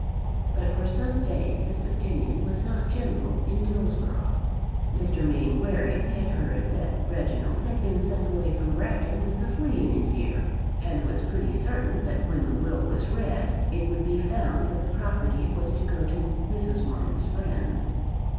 But for some days this opinion was not general in Dillsborough. Mr. Mainwaring had heard that Reginald had been sent away from Bragton with a flea in his ear, and was pretty certain that when the will was read it would be found that the property was to go to Mrs. Morton's friends.